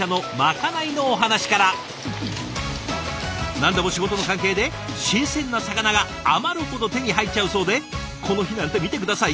何でも仕事の関係で新鮮な魚が余るほど手に入っちゃうそうでこの日なんて見て下さい！